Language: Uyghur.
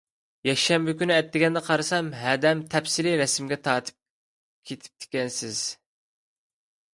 يەكشەنبە كۈنى ئەتىگەندە قارىسام، ھەدەپ تەپسىلىي رەسىمگە تارتىپ كېتىپتىكەنسىز.